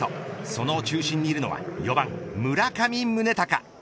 その中心にいるのは４番、村上宗隆。